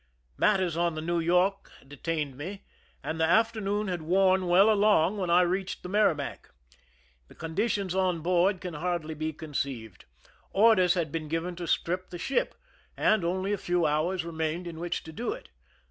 Matters on the New York detained me, and the afternoon had worn well along when I reached the Merrimac. Tlie conditions on board can hardly be conceived. Orders had been given to strip the ship, and only a few hours remained in which to do it.